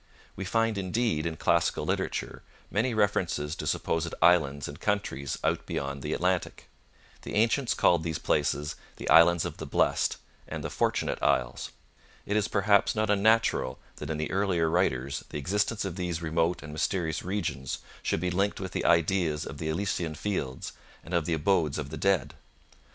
We find, indeed, in classical literature many references to supposed islands and countries out beyond the Atlantic. The ancients called these places the Islands of the Blessed and the Fortunate Isles. It is, perhaps, not unnatural that in the earlier writers the existence of these remote and mysterious regions should be linked with the ideas of the Elysian Fields and of the abodes of the dead.